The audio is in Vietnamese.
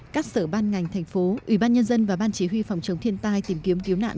các sở ban ngành thành phố ủy ban nhân dân và ban chỉ huy phòng chống thiên tai tìm kiếm cứu nạn